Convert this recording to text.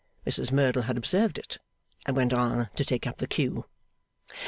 Mrs Merdle had observed it, and went on to take up the cue.